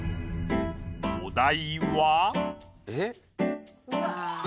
お題は。